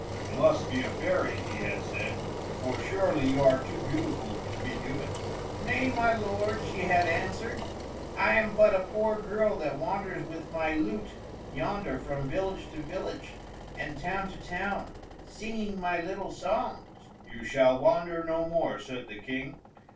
"You must be a fairy," he had said, "for surely you are too beautiful to be human!" "Nay, my lord," she had answered, "I am but a poor girl that wanders with my lute yonder from village to village and town to town, singing my little songs." "You shall wander no more," said the King.